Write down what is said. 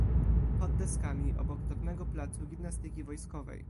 "Pod deskami, obok dawnego placu gimnastyki wojskowej."